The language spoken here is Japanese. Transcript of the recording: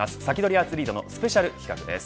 アツリートのスペシャル企画です。